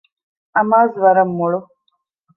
އަމާޒު ވަރަށް މޮޅު